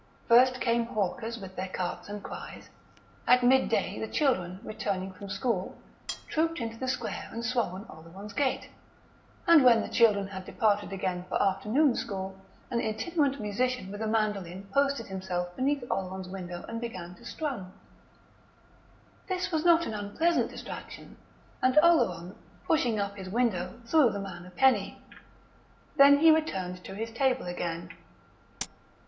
First came hawkers, with their carts and cries; at midday the children, returning from school, trooped into the square and swung on Oleron's gate; and when the children had departed again for afternoon school, an itinerant musician with a mandolin posted himself beneath Oleron's window and began to strum. This was a not unpleasant distraction, and Oleron, pushing up his window, threw the man a penny. Then he returned to his table again....